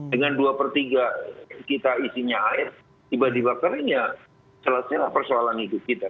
dengan dua per tiga kita isinya air tiba tiba kering ya selesailah persoalan hidup kita